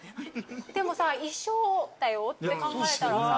でもさ一生だよって考えたらさ。